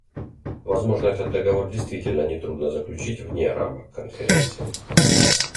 Возможно, этот договор действительно нетрудно заключить вне рамок Конференции.